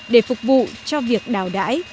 để phục vụ cho việc đào đải